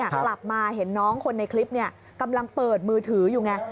กลับมาเห็นน้องคนในคลิปกำลังเปิดมือถืออยู่ไง